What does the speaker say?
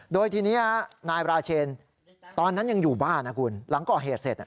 โดยทีนี้นายบราเชนตอนนั้นยังอยู่บ้านนะคุณหลังก่อเหตุเสร็จ